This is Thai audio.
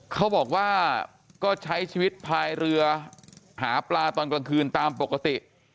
เขาบอกว่าก็ใช้ชีวิตพายเรือหาปลาตอนกลางคืนตามปกติ